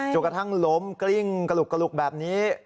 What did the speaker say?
จนกระทั่งล้มกริ้งกระลุกแบบนี้